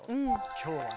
今日はね